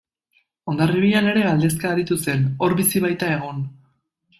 Hondarribian ere galdezka aritu zen, hor bizi baita egun.